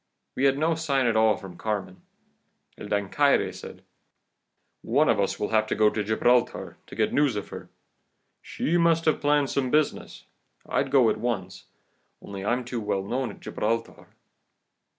We had no sign at all from Carmen. El Dancaire said: 'One of us will have to go to Gibraltar to get news of her. She must have planned some business. I'd go at once, only I'm too well known at Gibraltar.